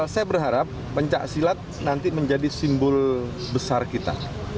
saya berharap pencaksilat nanti menjadi simbol besar kita